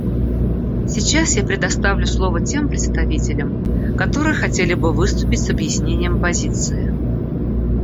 Сейчас я предоставлю слово тем представителям, которые хотели бы выступить с объяснением позиции.